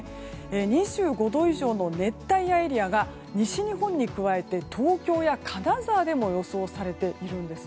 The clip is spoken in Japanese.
２５度以上の熱帯夜エリアが西日本に加えて東京や金沢でも予想されているんです。